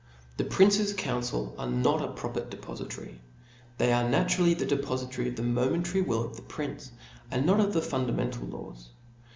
The prince's council are not a proper depofitary. They are naturally the depofitary of the momentary will of the prince, and not of the fundamental laws.